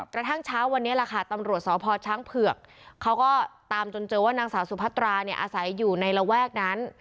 กระทั่งเช้าวันนี้ล่ะค่ะตำรวจสพช้างเผือกเขาก็ตามจนเจอว่านางสาวสุพัตราเนี่ยอาศัยอยู่ในระแวกนั้น